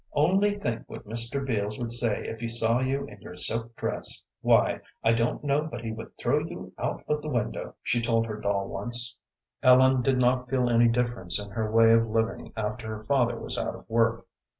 "Only think what Mr. Beals would say if he saw you in your silk dress; why, I don't know but he would throw you out of the window," she told her doll once. Ellen did not feel any difference in her way of living after her father was out of work.